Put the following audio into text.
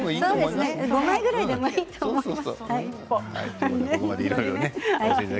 ５枚ぐらいでもいいと思います。